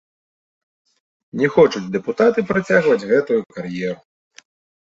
Не хочуць дэпутаты працягваць гэтую кар'еру!